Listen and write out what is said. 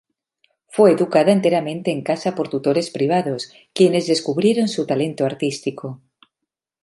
Fue educada enteramente en casa por tutores privados, quienes descubrieron su talento artístico.